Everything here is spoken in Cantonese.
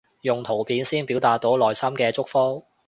用圖片先表達到內心嘅祝福